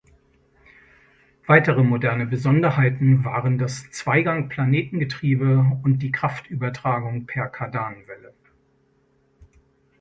Weitere moderne Besonderheiten waren das Zweigang-Planetengetriebe und die Kraftübertragung per Kardanwelle.